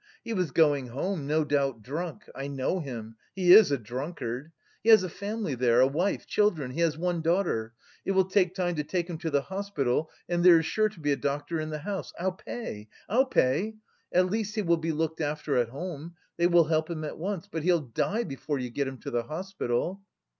He was going home, no doubt drunk. I know him, he is a drunkard. He has a family there, a wife, children, he has one daughter.... It will take time to take him to the hospital, and there is sure to be a doctor in the house. I'll pay, I'll pay! At least he will be looked after at home... they will help him at once. But he'll die before you get him to the hospital."